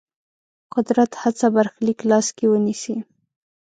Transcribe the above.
قدرت هڅه برخلیک لاس کې ونیسي.